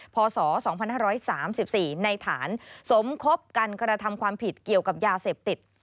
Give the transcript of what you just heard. พศ๒๕๓๔ในฐานสมคบกันกระทำความผิดเกี่ยวกับยาเสพติด